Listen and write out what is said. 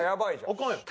アカンやん。